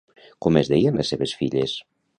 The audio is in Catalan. Com es deien les seves filles?